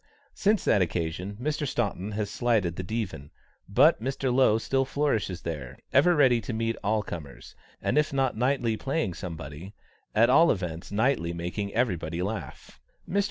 Since that occasion, Mr. Staunton has slighted the Divan, but Mr. Lowe still flourishes there, ever ready to meet all comers, and if not nightly playing somebody, at all events nightly making everybody laugh. Mr.